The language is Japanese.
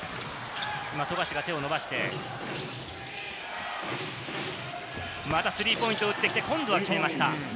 富樫が手を伸ばして、またスリーポイントを打ってきて、今度は決めました。